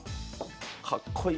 かっこいい！